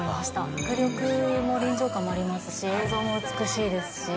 迫力も臨場感もありますし、映像も美しいですし。